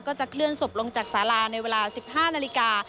จะเคลื่อนศพลงจากสาราในเวลา๑๕นาฬิกา